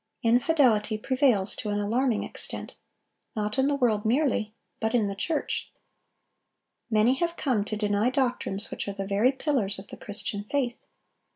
Infidelity prevails to an alarming extent, not in the world merely, but in the church. Many have come to deny doctrines which are the very pillars of the Christian faith.